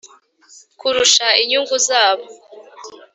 kurusha inyungu zabo